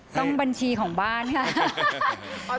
ต้องบัญชีของบ้านค่ะ